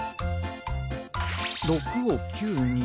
６を９に？